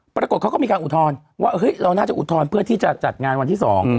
ปรากฏเขาก็มีการอุทธรณ์ว่าเฮ้ยเราน่าจะอุทธรณ์เพื่อที่จะจัดงานวันที่๒